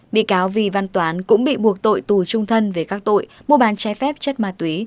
bị cáo vì văn toán cũng bị buộc tội tù trung thân về các tội mua bán trái phép chất ma túy